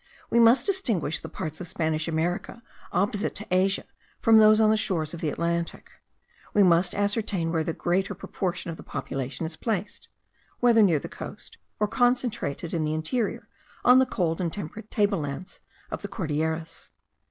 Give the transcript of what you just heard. We must distinguish the parts of Spanish America opposite to Asia from those on the shores of the Atlantic; we must ascertain where the greater portion of the population is placed; whether near the coast, or concentrated in the interior, on the cold and temperate table lands of the Cordilleras.